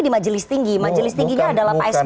di majelis tinggi majelis tingginya adalah psb